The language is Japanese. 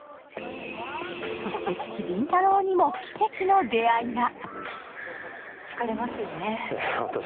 そして、父・林太郎にも奇跡の出会いが。